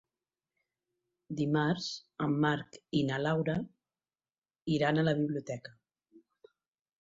Dimarts en Marc i na Laura iran a la biblioteca.